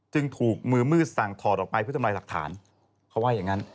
จึงถูกมือมืดสั่งถอดออกไปเพื่อทำลายหลักฐานเขาว่าอย่างนั้น